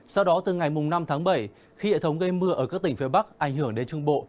sau đó từ ngày năm tháng bảy khi hệ thống gây mưa ở các tỉnh phía bắc ảnh hưởng đến trung bộ